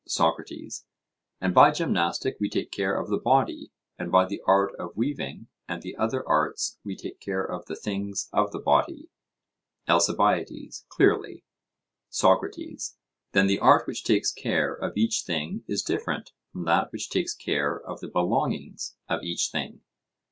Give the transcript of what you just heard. SOCRATES: And by gymnastic we take care of the body, and by the art of weaving and the other arts we take care of the things of the body? ALCIBIADES: Clearly. SOCRATES: Then the art which takes care of each thing is different from that which takes care of the belongings of each thing?